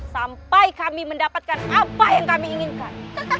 sampai kami mendapatkan apa yang kami inginkan